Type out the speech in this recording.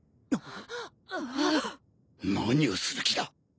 何をする気だ？